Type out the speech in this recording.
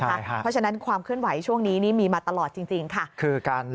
เพราะฉะนั้นความเคลื่อนไหวช่วงนี้นี่มีมาตลอดจริงค่ะ